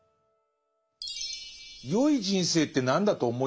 「よい人生って何だと思います？」